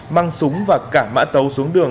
mang súng và cả mã tàu xuống đường